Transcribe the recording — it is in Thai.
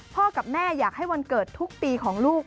กับแม่อยากให้วันเกิดทุกปีของลูก